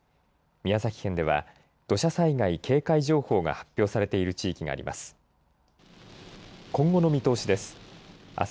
宮崎県では土砂災害警戒情報が発表されている地域があります。